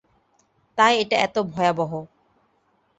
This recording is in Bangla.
তাই এটা এত ভয়াবহ।